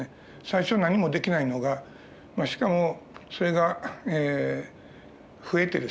最初何もできないのがしかもそれが増えてですね